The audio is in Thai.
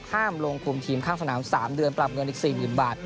ห้ามลงคุมทีมข้างสนามสามเดือนปรับเงินอีกสี่หมื่นบาท